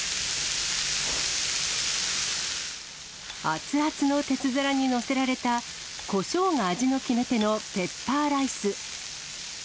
熱々の鉄皿に載せられた、コショウが味の決め手のペッパーライス。